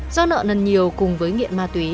do nợ nần nhiều cùng với nghiện ma túy